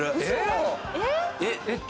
えっ？